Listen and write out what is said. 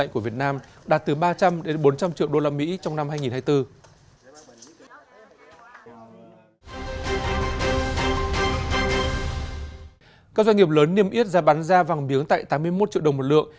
các doanh nghiệp lớn niêm yết giá bán ra vàng miếng tại tám mươi một triệu đồng một lượng